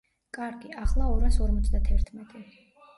კარგი, ახლა ორას ორმოცდათერთმეტი.